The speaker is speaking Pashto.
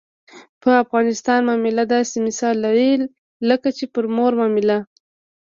په افغانستان معامله داسې مثال لري لکه چې پر مور معامله.